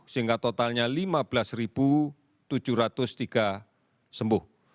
sehingga totalnya lima belas tujuh ratus tiga sembuh